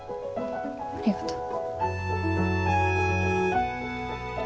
ありがとう。